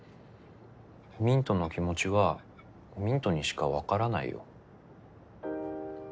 ミントの気持ちはミントにしか分からないよ。